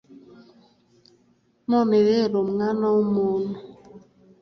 None rero mwana w umuntu